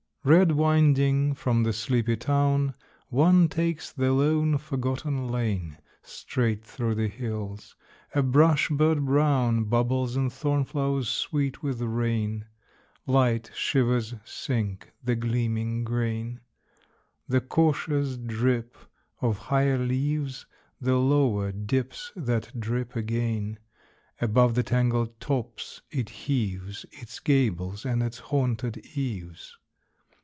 1. Red winding from the sleepy town, One takes the lone, forgotten lane Straight through the hills. A brush bird brown Bubbles in thorn flowers sweet with rain; Light shivers sink the gleaming grain; The cautious drip of higher leaves The lower dips that drip again. Above the tangled tops it heaves Its gables and its haunted eaves.